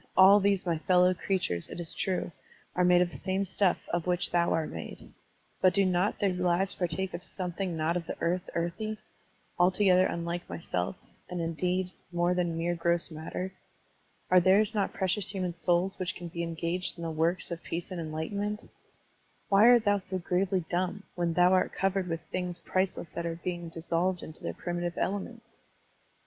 All these my fellow crea tures, it is true, are made of the same stuff of which thou art made. But do not their lives partake of something not of the earth earthy, altogether tmUke thyself, and, indeed, more than mere gross matter? Are theirs not precious human souls which can be engaged in the works of peace and enlightenment? Why art thou so gravely dumb, when thou art covered with things priceless that are being dissolved into their primitive elements?